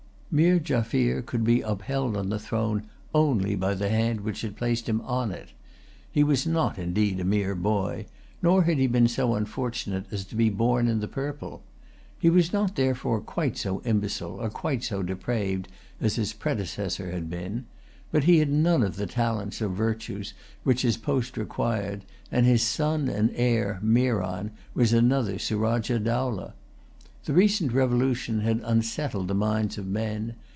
Meer Jaffier could be upheld on the throne only by the hand which had placed him on it. He was not, indeed, a mere boy; nor had he been so unfortunate as to be born in the purple. He was not therefore quite so imbecile or quite so depraved as his predecessor had been. But he had none of the talents or virtues which his post required; and his son and heir, Meeran, was another Surajah Dowlah. The recent revolution had unsettled the minds of men.